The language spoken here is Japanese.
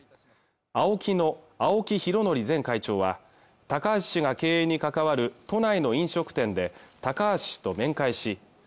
ＡＯＫＩの青木拡憲前会長は高橋氏が経営に関わる都内の飲食店で高橋氏と面会しＡＯＫＩ